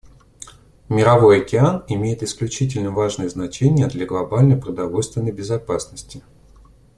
Мировой океан имеет исключительно важное значение для глобальной продовольственной безопасности.